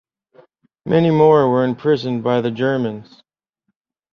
Many more were imprisoned by the Germans.